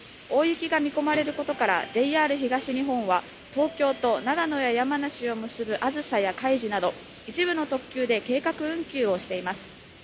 大雪が見込まれることからＪＲ東日本は東京と長野や山梨を結ぶあずさやかいじなど一部の特急で計画運休をしています。